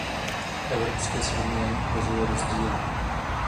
Evropské srovnání ukazuje rozdíly.